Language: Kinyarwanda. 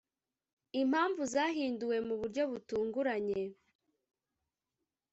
impamvu zahinduwe mu buryo butunguranye